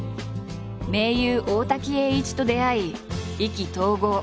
盟友大滝詠一と出会い意気投合。